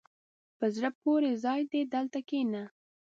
په زړه پورې ځای دی، دلته کښېنه.